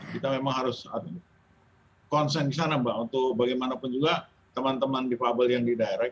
kita memang harus konsen di sana mbak untuk bagaimanapun juga teman teman difabel yang di direct